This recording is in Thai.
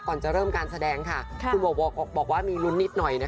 ก่อนจะเริ่มการแสดงค่ะคุณบอกว่ามีลุ้นนิดหน่อยนะคะ